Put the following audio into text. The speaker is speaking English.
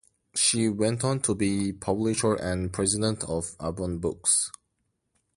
She went on to be publisher and president of Avon Books.